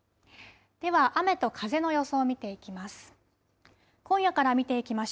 では雨と風の予想見ていきます。